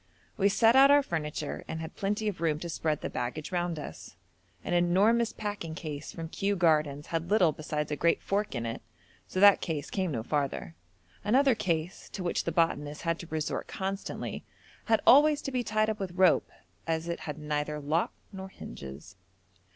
We set out our furniture and had plenty of room to spread the baggage round us. An enormous packing case from Kew Gardens had little besides a great fork in it, so that case came no farther. Another case, to which the botanist had to resort constantly, had always to be tied up with rope, as it had neither lock nor hinges.